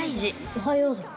おはようぞ。